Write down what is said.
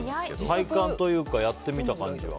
体感というかやってみた感じは。